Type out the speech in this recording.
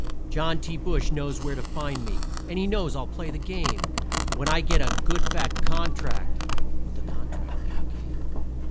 John T. Brush knows where to find me, and he knows I'll play the game When I get a good fat contract" but the contract never came.